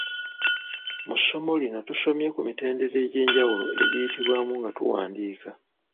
Mu ssomo lino tusomye ku mitendera egy’enjawulo egiyitibwamu nga tuwaandiika.